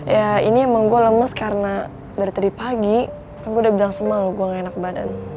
ya ini emang gue lemes karena dari tadi pagi kan gue udah bilang semua gue gak enak badan